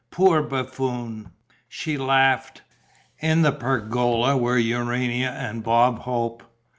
"Poor buffoon!" She laughed. In the pergola were Urania and Bob Hope.